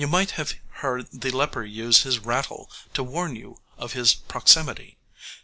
}] You must have heard the leper use his rattle to warn you of his proximity.